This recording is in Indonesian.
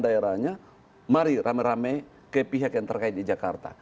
daerahnya mari rame rame ke pihak yang terkait di jakarta